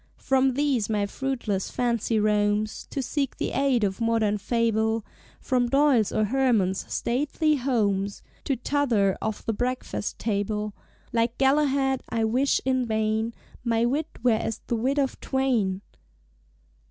From these my fruitless fancy roams To seek the Ade of Modern Fable, From Doyle's or Hemans' "Stately Ho(l)mes," To t'other of The Breakfast Table; Like Galahad, I wish (in vain) "My wit were as the wit of Twain!"